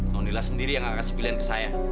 nonila sendiri yang gak kasih pilihan ke saya